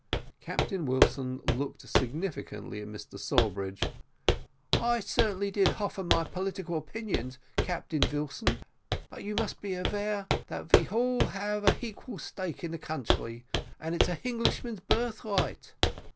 Captain Wilson looked significantly at Mr Sawbridge. "I crtainly did hoffer my political opinions, Captain Vilson; but you must be avare that ve hall ave an hequal stake in the country and it's a Hinglishman's birthright."